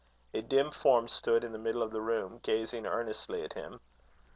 A dim form stood in the middle of the room, gazing earnestly at him.